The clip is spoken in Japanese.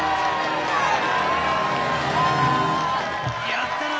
やったな！